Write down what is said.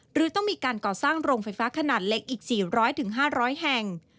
หรือต้องมีการก่อสร้างโรงไฟฟ้าขนาดเล็กอีก๔๐๐๕๐๐แห่ง